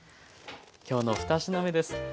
きょうの２品目です。